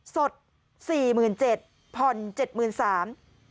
สด๔๗๐๐๐บาทผ่อน๗๓๐๐๐บาท